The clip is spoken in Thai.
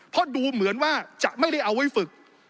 เพราะดูเหมือนว่าจะไม่ได้เอาไว้ฝึก